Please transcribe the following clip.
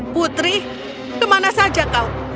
putri kemana saja kau